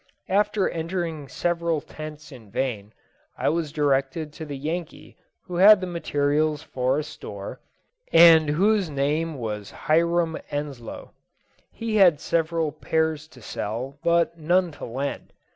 After entering several tents in vain, I was directed to the Yankee who had the materials for a store, and whose name was Hiram Ensloe. He had several pairs to sell, but none to lend.